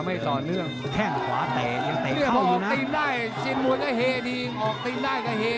แค่ขวาแตะแตะเพิ่งนะ